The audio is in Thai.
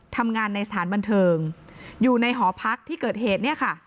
ทำงานในสถานบันเทิงอยู่ในหอพักที่เกิดเหตุเนี่ยค่ะ